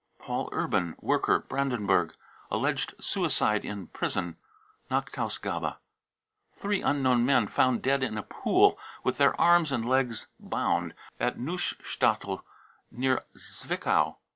paul urban, worker, Brandenburg, alleged suicide > in prison. (. Nachtausgabe .) three unknown men, found dead i in a pool, with their arms and legs bound, at Neustadtel near I Zwickau.